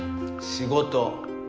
仕事。